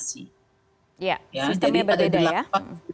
ya sistemnya berbeda ya